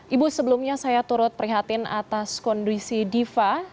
ibu sebelumnya saya turut prihatin atas kondisi diva